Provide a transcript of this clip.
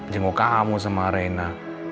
jenguk kamu sama reina